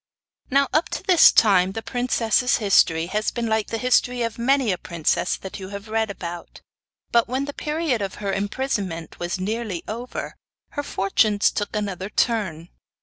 Now up to this time the princess's history has been like the history of many a princess that you have read about; but, when the period of her imprisonment was nearly over, her fortunes took another turn.